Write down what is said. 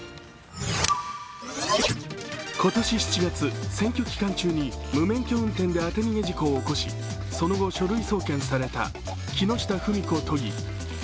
今年７月、選挙期間中に無免許運転で当て逃げ事故を起こしその後、書類送検された木下富美子都議。